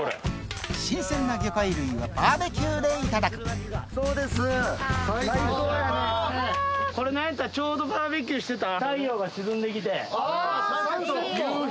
新鮮な魚介類はバーベキューでいただくちょうどバーベーキューしてたら太陽が沈んで来て夕日が。